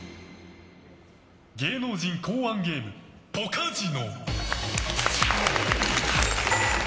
芸能人考案ゲームポカジノ！